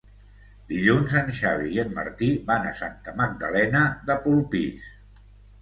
Dilluns en Xavi i en Martí van a Santa Magdalena de Polpís.